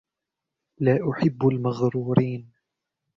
لا أحب المغرورين.